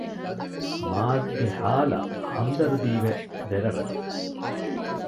މާޒްގެ ހާލަށް ހަމްދަރުދީވެ ދެރަވެފަ